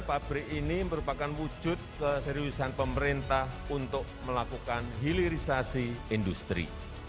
pabrik ini merupakan wujud keseriusan pemerintah untuk melakukan hilirisasi industri